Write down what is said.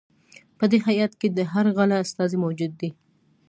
په دې هیات کې د هر غله استازی موجود دی.